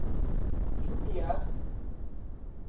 Jupiá